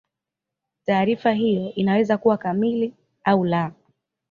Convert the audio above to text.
Taarifa hiyo inaweza kuwa kamili au la.